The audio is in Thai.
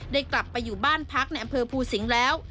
ได้กลับไปอยู่บ้านพักในอำเภอภูสิงห์แล้ว